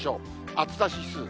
暑さ指数。